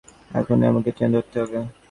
না চলে যাবো এখুনি, আমাকে ট্রেন ধরতে হবে।